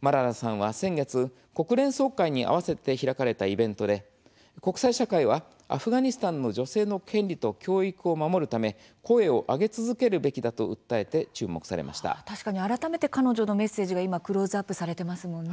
マララさんは先月、国連総会に合わせて開かれたイベントで国際社会はアフガニスタンの女性の権利と教育を守るため声を上げ続けるべきだと確かに改めて彼女のメッセージがクローズアップされていますね。